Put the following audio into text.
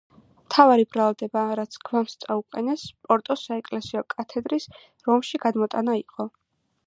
მთავარი ბრალდება, რაც გვამს წაუყენეს, პორტოს საეკლესიო კათედრის რომში გადმოტანა იყო.